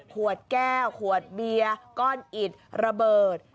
ขวดแก้วขวดเบียร์ก้อนอิดระเบิด